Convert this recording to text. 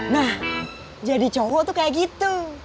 nah jadi cowok tuh kayak gitu